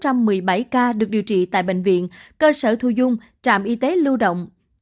trong một mươi bảy ca được điều trị tại bệnh viện cơ sở thu dung trạm y tế lưu động